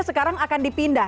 yang sekarang akan dipindah